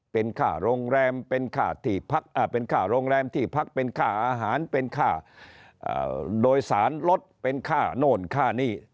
เป็นค่าโรงแรมเป็นค่าที่พักเป็นค่าโรงแรมที่พักเป็นค่าอาหารเป็นค่าโดยสารลดเป็นค่าโน่นค่านี่